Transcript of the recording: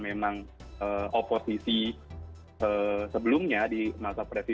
berkolaborasi berkomunikasi dengan partai ini